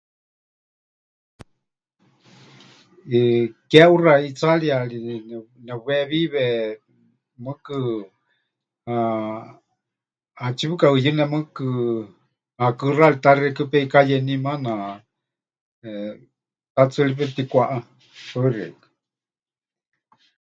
Mmm keʼuxa ʼitsaariyari ne... nepɨweewíwe, mɨɨkɨ, eh, ʼaatsí pɨkaʼuyɨne mɨɨkɨ, hakɨɨxari ta xeikɨ́a peikayení maana, eh, ta tsɨ ri pepɨtikwaʼá. Paɨ xeikɨ́a.